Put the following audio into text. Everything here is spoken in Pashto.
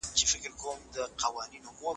په کابل کي صنعتي کاروبار څنګه وده کړې ده؟